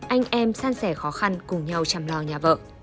anh em san sẻ khó khăn cùng nhau chăm lo nhà vợ